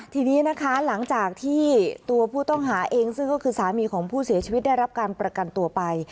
ทีนี้นะคะหลังจากที่ตัวผู้ต้องหาเองซึ่งก็คือสามีของผู้เสียชีวิตได้รับการประกันตัวไป